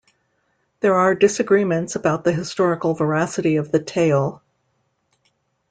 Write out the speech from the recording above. There are disagreements about the historical veracity of the tale.